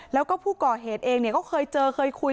แล้วก็ผู้ก่อเหตุเองก็เคยเจอเคยคุย